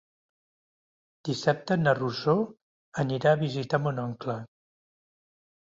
Dissabte na Rosó anirà a visitar mon oncle.